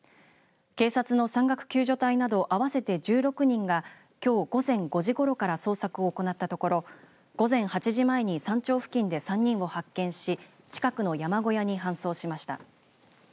警察の山岳救助隊など合わせて１６人がきょう午前５時ごろから捜索を行ったところ午前８時前に山頂付近で３人を発見し近くの山小屋に搬送しました。